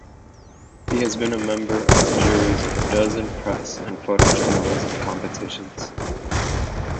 He has been member of the juries of a dozen press and photo-journalism competitions.